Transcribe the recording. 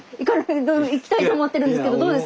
行きたいと思ってるんですけどどうです？